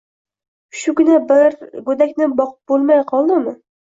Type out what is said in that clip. — Shugina bir... go‘dakni boqib bo‘lmay qoldimi?